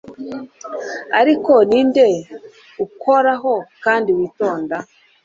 ariko ninde ukoraho kandi witonda